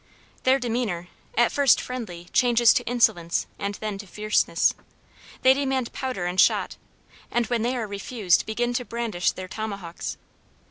Their demeanor, at first friendly, changes to insolence and then to fierceness. They demand powder and shot, and when they are refused begin to brandish their tomahawks.